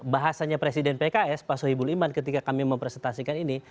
bahasanya presiden pks pak sohibul iman ketika kami mempresentasikan ini